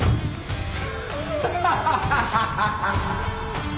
ハハハハ！